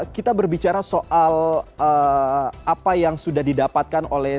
kita berbicara soal apa yang sudah didapatkan oleh